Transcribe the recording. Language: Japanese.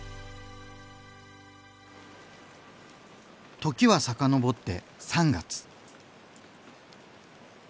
時は遡って３月。